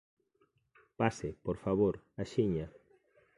_Pase, por favor, axiña.